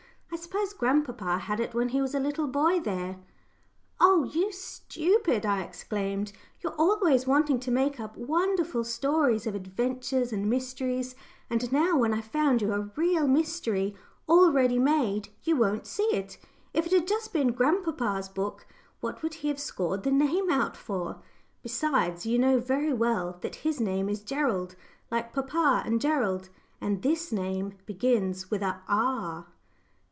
I suppose grandpapa had it when he was a little boy, there." "Oh, you stupid!" I exclaimed. "You're always wanting to make up wonderful stories of adventures and mysteries, and now, when I've found you a real mystery, all ready made, you won't see it. If it had just been grandpapa's book, what would he have scored the name out for? Besides, you know very well that his name is 'Gerald,' like papa and Gerald. And this name begins with a 'R.'"